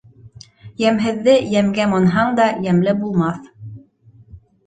Йәмһеҙҙе, йәмгә манһаң да, йәмле булмаҫ.